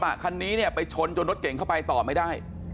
คันนี้เนี่ยไปชนจนรถเก่งเข้าไปต่อไม่ได้